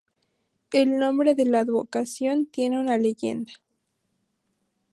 El nombre de la advocación tiene una leyenda.